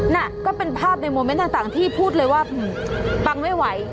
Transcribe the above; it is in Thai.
น่ะก็เป็นภาพในโมเมนต์ต่างที่พูดเลยว่าปังไม่ไหว